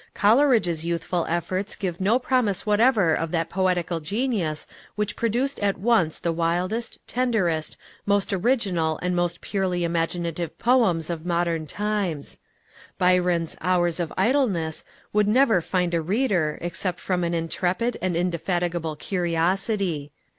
Coleridge's youthful efforts give no promise whatever of that poetical genius which produced at once the wildest, tenderest, most original and most purely imaginative poems of modern times. Byron's "Hours of Idleness" would never find a reader except from an intrepid and indefatigable curiosity.